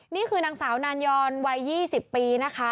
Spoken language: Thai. นี่คือนางสาวนานยอนวัย๒๐ปีนะคะ